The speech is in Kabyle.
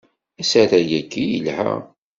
Asarag-agi yelha.